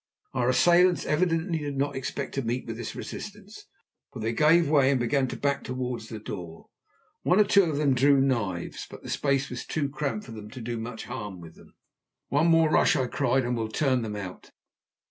Our assailants evidently did not expect to meet with this resistance, for they gave way and began to back towards the door. One or two of them drew knives, but the space was too cramped for them to do much harm with them. "One more rush," I cried, "and we'll turn them out."